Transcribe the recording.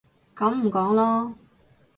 噉唔講囉